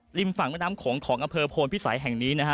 ริมฝั่งแม่น้ำโขงของอำเภอโพนพิสัยแห่งนี้นะฮะ